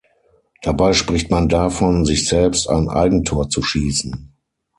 Dabei spricht man davon, sich „selbst ein Eigentor zu schießen“.